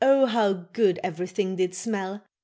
how good everything did smell.